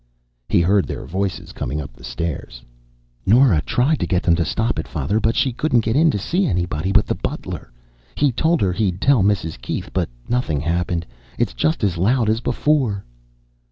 He heard their voices coming up the stairs ... "Nora tried to get them to stop it, Father, but she couldn't get in to see anybody but the butler. He told her he'd tell Mrs. Keith, but nothing happened. It's just as loud as before."